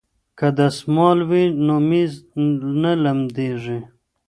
که دستمال وي نو میز نه لمدیږي.